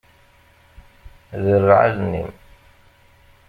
Derreɛ allen-im.